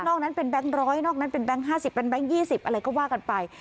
นอกนั้นเป็นแบงค์๑๐๐นอกนั้นเป็นแบงค์๕๐เป็นแบงค์๒๐อะไรก็ว่ากันไป